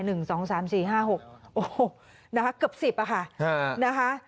โอ้โหนะคะเกือบ๑๐อะค่ะนะคะ